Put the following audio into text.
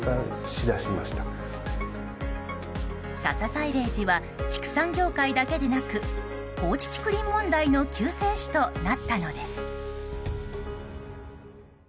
笹サイレージは畜産業界だけでなく放置竹林問題の救世主となったのです。